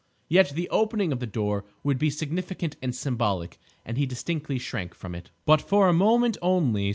Yet the opening of the door would be significant and symbolic, and he distinctly shrank from it. But for a moment only.